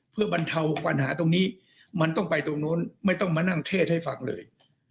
เพื่อบรรเทาปัญหาตรงนี้มันต้องไปตรงนู้นไม่ต้องมานั่งเทศให้ฟังเลย